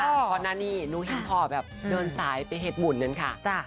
ก่อนนั้นหนูให้พ่อเดินสายไปเฮ็ดบุญนึงค่ะ